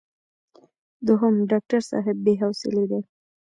دوهم: ډاکټر صاحب بې حوصلې دی.